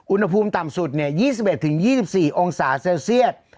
อุณหภูมิต่ำสุดเนี้ยยี่สิบเอ็ดถึงยี่สิบสี่องสาเซลเซียส